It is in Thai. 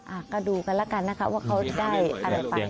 อ่ะก็ดูกันแล้วกันนะคะว่าเขาได้อะไรไป